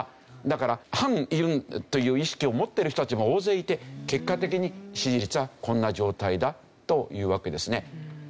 だから反ユンという意識を持ってる人たちが大勢いて結果的に支持率はこんな状態だというわけですね。